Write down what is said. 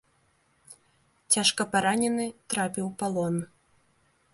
Цяжка паранены, трапіў у палон.